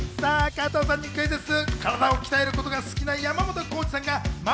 加藤さんにクイズッス！